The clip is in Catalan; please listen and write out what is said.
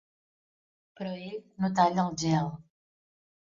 Però ell no talla el gel.